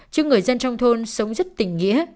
chứ người dân trong thôn sống rất tình nghĩa